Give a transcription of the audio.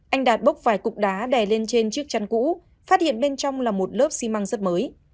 anh đạt bốc vài cục đá đè lên trên chiếc chăn cũ phát hiện bên trong là một lớp xi măng rất mới